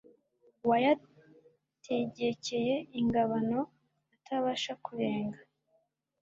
Wayategekeye ingabano atabasha kurenga